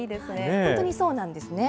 本当にそうなんですね。